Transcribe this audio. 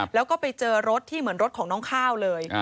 แล้วก็ไปเจอรถที่เหมือนรถของน้องข้าวเลย